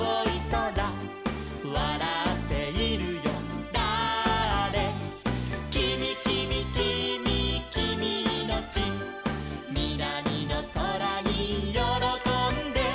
「わらっているよだあれ」「きみきみきみきみいのち」「みなみのそらによろこんで」